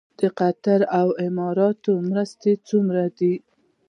د قطر او اماراتو مرستې څومره دي؟